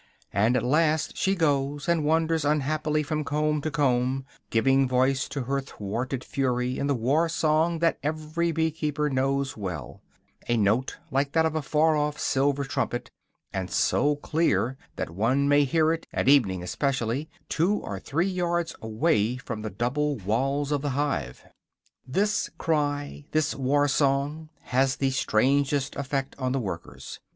And at last she goes, and wanders unhappily from comb to comb, giving voice to her thwarted fury in the war song that every bee keeper knows well; a note like that of a far away silver trumpet, and so clear that one may hear it, at evening especially, two or three yards away from the double walls of the hive. This cry, this war song, has the strangest effect on the workers.